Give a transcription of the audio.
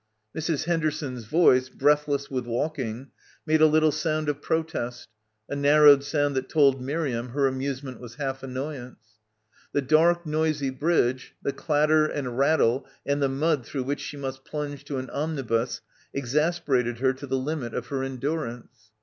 Mrs. Henderson's voice, breathless with walk ing, made a little sound of protest, a narrowed sound that told Miriam her amusement was half annoyance. The dark, noisy bridge, the clatter and rattle and the mud through which she must plunge to an omnibus exasperated her to the limit of her endurance.